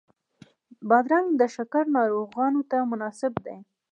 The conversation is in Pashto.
بادرنګ د شکر ناروغانو ته مناسب دی.